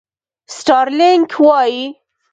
سټارلېنک وایي.